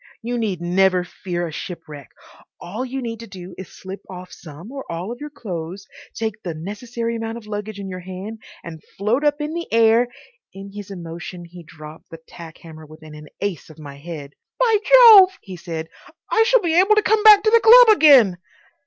"You need never fear a shipwreck. All you need do is just slip off some or all of your clothes, take the necessary amount of luggage in your hand, and float up in the air—" In his emotion he dropped the tack hammer within an ace of my head. "By Jove!" he said, "I shall be able to come back to the club again."